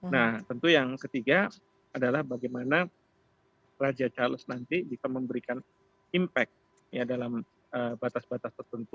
nah tentu yang ketiga adalah bagaimana raja charles nanti bisa memberikan impact dalam batas batas tertentu